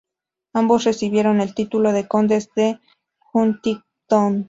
Ambos recibieron el título de condes de Huntingdon.